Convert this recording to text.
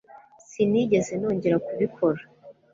sinigeze nongera kubikora